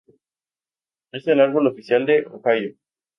Es el árbol oficial de Ohio.